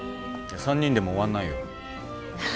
３人でも終わんないよ。